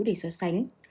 để so sánh